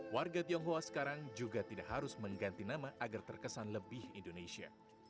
warga tionghoa sekarang juga tidak harus mengganti nama agar terkesan lebih indonesia